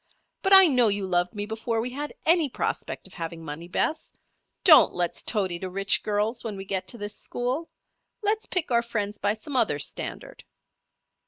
"But I know you loved me before we had any prospect of having money, Bess. Don't let's toady to rich girls when we get to this school. Let's pick our friends by some other standard."